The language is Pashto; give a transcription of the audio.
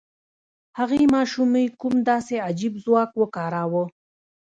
هغې ماشومې کوم داسې عجيب ځواک وکاراوه؟